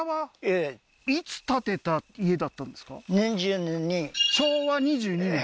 ええ昭和２２年？